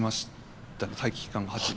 待機期間が８年。